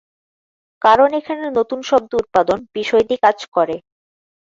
কারণ এখানে নতুন শব্দ উৎপাদন বিষয়টি কাজ করে।